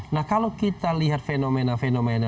nah kalau kita lihat fenomena fenomena